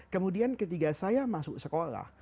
kemudian ketika saya masuk sekolah